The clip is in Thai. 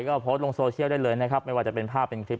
ก็โพสต์ลงโซเชียลได้เลยนะครับไม่ว่าจะเป็นภาพเป็นคลิป